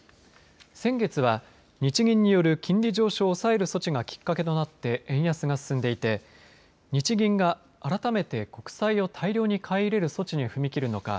先月は日銀による金利上昇を抑える措置が、きっかけとなって円安が進んでいて日銀が改めて国債を大量に買い入れる措置に踏み切るのか